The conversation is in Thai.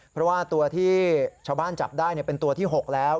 เพราะว่าตัวที่ชาวบ้านจับได้เป็นตัวที่๖แล้ว